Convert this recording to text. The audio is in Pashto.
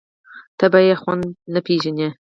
ته به يې خود نه پېژنې.